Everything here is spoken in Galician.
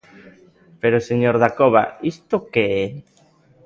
Pero, señor Dacova, ¿isto que é?